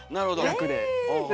役で。